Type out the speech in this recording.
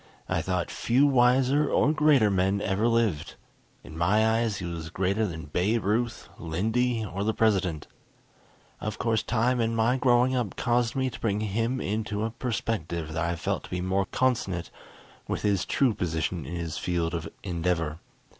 I thought few wiser or greater men ever lived. In my eyes he was greater than Babe Ruth, Lindy, or the President. Of course, time, and my growing up caused me to bring him into a perspective that I felt to be more consonant with his true position in his field of endeavor.